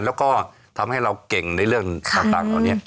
แล้วก็ทำให้เราเก่งในเรื่องต่างเหล่านี้